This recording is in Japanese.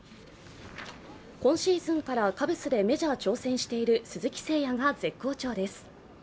今シーズンからカブスでメジャー挑戦している鈴木誠也が絶好調です。